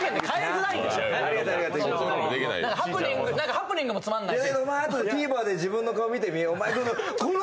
ハプニングもつまんないし。